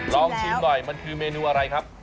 ลองชิมหน่อยมันคือเมนูอะไรครับ